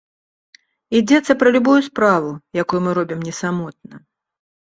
Ідзецца пра любую справу, якую мы робім не самотна.